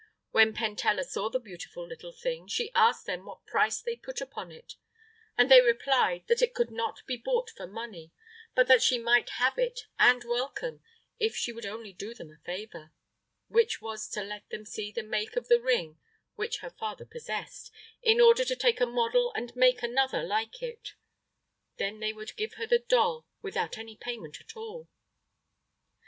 When Pentella saw the beautiful little thing, she asked them what price they put upon it, and they replied that it could not be bought for money, but that she might have it and welcome if she would only do them a favor, which was to let them see the make of the ring which her father possessed, in order to take a model and make another like it; then they would give her the doll without any payment at all.